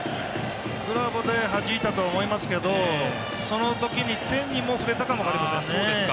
グラブではじいたと思いますけどその時に手に触れたかも分かりませんね。